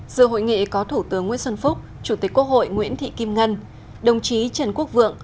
giữa hội nghị có thủ tướng nguyễn xuân phúc chủ tịch quốc hội nguyễn thị kim ngân đồng chí trần quốc vượng